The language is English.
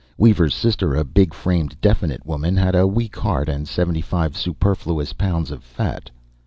Weaver's sister, a big framed, definite woman, had a weak heart and seventy five superfluous pounds of fat.